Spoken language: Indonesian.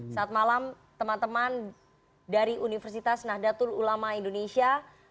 saat malam teman teman dari universitas nahdlatul ulama indonesia